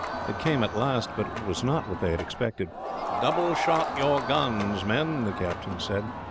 It came at last, but was not what they had expected. "Double shot your guns, men," the captain said.